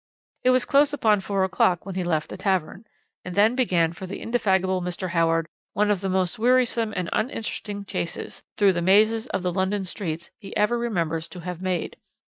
"It was close upon four o'clock when he left the tavern, and then began for the indefatigable Mr. Howard one of the most wearisome and uninteresting chases, through the mazes of the London streets, he ever remembers to have made.